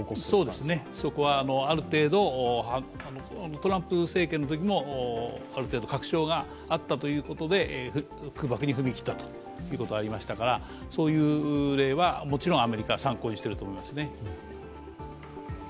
そこはトランプ政権のときもある程度確証があったということで空爆に踏み切ったということもありましたからそういう例はもちろんアメリカは参考にしていると思います。